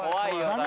・何？